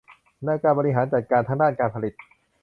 ในการบริหารจัดการทั้งด้านการผลิต